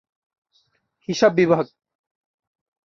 হিসাব বিভাগ।